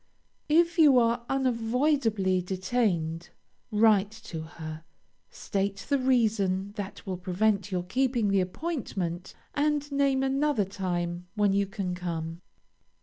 If you are unavoidably detained, write to her, state the reason that will prevent your keeping the appointment, and name another time when you can come.